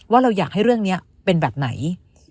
เราอยากให้เรื่องนี้เป็นแบบไหน